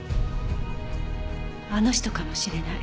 あの人かもしれない。